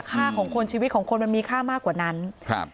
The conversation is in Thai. ค่าของคนชีวิตของคนมันมีค่ามากกว่านั้นครับ